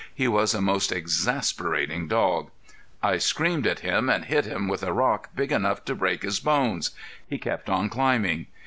He was a most exasperating dog. I screamed at him and hit him with a rock big enough to break his bones. He kept on climbing.